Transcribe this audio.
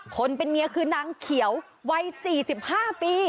คนเป็นเมียคือนางเขียววัย๔๕ปี